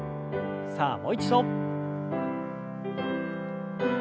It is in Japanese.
さあもう一度。